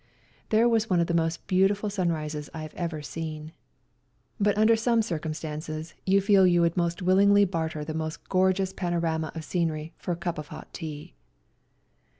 There was one of the most beautiful sunrises I have ever seen, but under some WE GO TO CORFU 205 circumstances you feel you would most willingly barter the most gorgeous pano rama of scenery for a cup of hot tea.